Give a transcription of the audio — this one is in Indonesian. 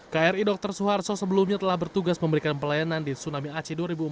kri dr suharto sebelumnya telah bertugas memberikan pelayanan di tsunami aceh dua ribu empat belas